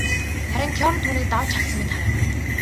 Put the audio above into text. Харин Теорем түүнийг давж чадсан мэт харагдана.